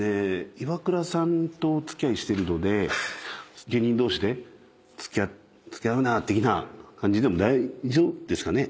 イワクラさんとお付き合いしてるので芸人同士で付き合うな的な感じでも大丈夫ですかね？